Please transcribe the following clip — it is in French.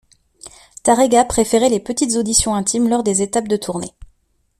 Tárrega préférait les petites auditions intimes lors des étapes de tournée.